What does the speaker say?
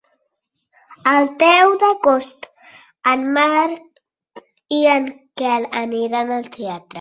El deu d'agost en Marc i en Quel aniran al teatre.